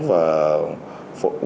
và phục vụ